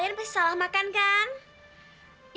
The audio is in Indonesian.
iya salah makan jamu lo